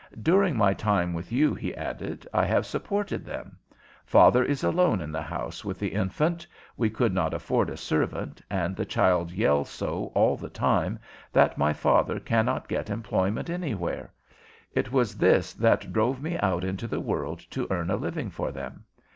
"During my time with you," he added, "I have supported them. Father is alone in the house with the infant; we could not afford a servant, and the child yells so all the time that my father cannot get employment anywhere. It was this that drove me out into the world to earn a living for them.